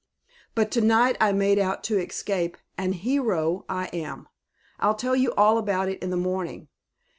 But to night I made out to escape, and hero I am. I'll tell you all about it in the morning.